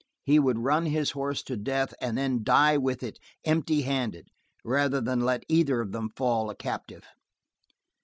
He would run his horse to death and then die with it empty handed rather than let either of them fall a captive.